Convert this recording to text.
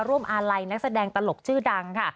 อาลัยนักแสดงตลกชื่อดังค่ะ